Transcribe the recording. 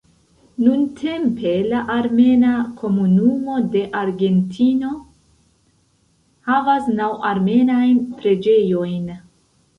Nuntempe la armena komunumo de Argentino havas naŭ armenajn preĝejojn.